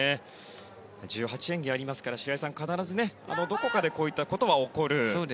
１８演技ありますから白井さん、必ずどこかでこういったことは起こる。